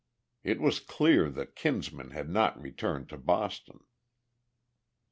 It was clear that Kinsman had not returned to Boston.